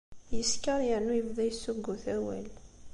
Yeskeṛ yernu yebda yessuggut awal.